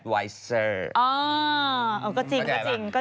อ๋อก็จริงก็จริงขอบคุณแม่